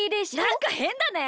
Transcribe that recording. なんかへんだね。